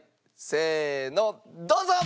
せーのどうぞ！